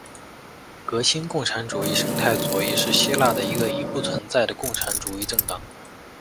革新共产主义生态左翼是希腊的一个已不存在的共产主义政党。